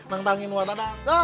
nang tangin wah datang